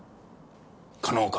可能か？